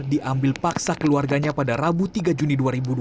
diambil paksa keluarganya pada rabu tiga juni dua ribu dua puluh